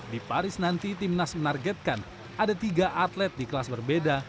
di paris nanti timnas menargetkan ada tiga atlet di kelas berbeda